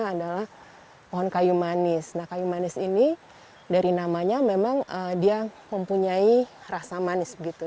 adalah pohon kayu manis nah kayu manis ini dari namanya memang dia mempunyai rasa manis begitu